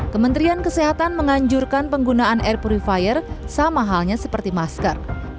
kementerian kesehatan menganjurkan penggunaan air purifier sama halnya seperti masker